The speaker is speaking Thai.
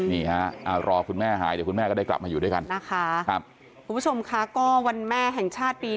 นี่ฮะรอคุณแม่หายเดี๋ยวคุณแม่ก็ได้กลับมาอยู่ด้วยกัน